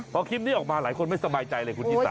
พอคลิปนี้ออกมาหลายคนไม่สบายใจเลยคุณชิสา